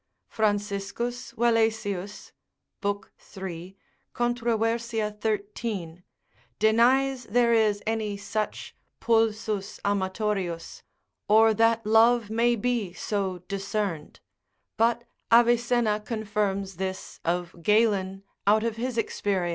Franciscus Valesius, l. 3. controv. 13. med. contr. denies there is any such pulsus amatorius, or that love may be so discerned; but Avicenna confirms this of Galen out of his experience, lib.